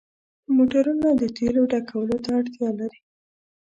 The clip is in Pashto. موټرونه د تیلو ډکولو ته اړتیا لري.